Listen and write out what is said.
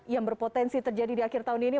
yang berpotensi terjadi di akhir tahun ini